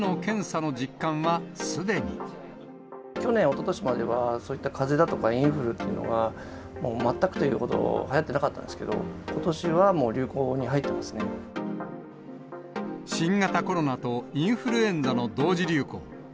去年、おととしまではそういったかぜだとかインフルというのは、もう全くというほどはやってなかったんですけど、ことしはもう、新型コロナとインフルエンザの同時流行。